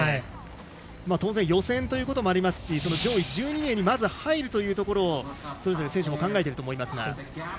当然予選ということもありますし上位１２名にまず入るということをそれぞれ選手も考えていると思いますが。